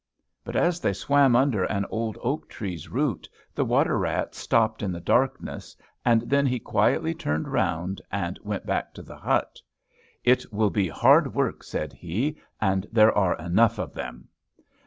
But as they swam under an old oak tree's root, the water rat stopped in the darkness, and then he quietly turned round and went back to the hut. "It will be hard work," said he "and there are enough of them."